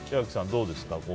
どうですか？